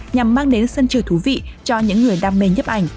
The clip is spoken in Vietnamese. nhằm mang đến sân trời thú vị cho những người đam mê nhấp ảnh